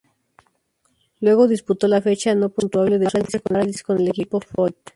Luego, disputó la fecha no puntuable de Surfers Paradise con el equipo Foyt.